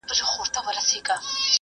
موږ لسيان پېژنو.